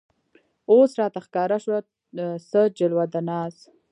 اوس راته ښکاره شوه څه جلوه د ناز